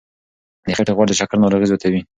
د خېټې غوړ د شکرې ناروغي زیاتوي.